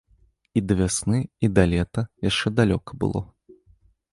І да вясны і да лета яшчэ далёка было.